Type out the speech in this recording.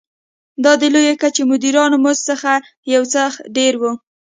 دا د لوړې کچې مدیرانو مزد څخه یو څه ډېر و.